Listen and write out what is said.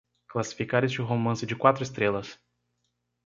classificar este romance de quatro estrelas